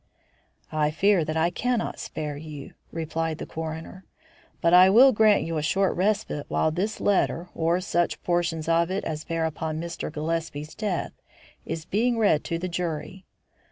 "I fear that I cannot spare you," replied the coroner; "but I will grant you a short respite while this letter, or such portions of it as bear upon Mr. Gillespie's death, is being read to the jury.